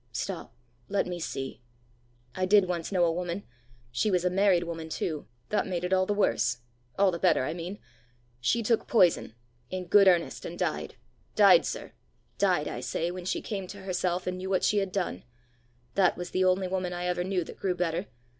Stop! let me see. I did once know a woman she was a married woman too that made it all the worse all the better I mean: she took poison in good earnest, and died died, sir died, I say when she came to herself, and knew what she had done! That was the only woman I ever knew that grew better.